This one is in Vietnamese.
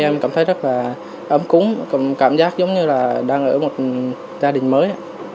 em cảm thấy rất là ấm cúng cảm giác giống như là đang ở một gia đình mới